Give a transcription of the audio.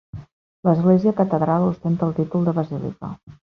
L'Església Catedral ostenta el títol de Basílica.